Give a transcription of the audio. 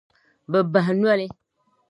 Bɛ bahi noli.